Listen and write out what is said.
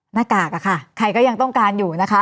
หน้ากากอะค่ะใครก็ยังต้องการอยู่นะคะ